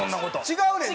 違うねんな？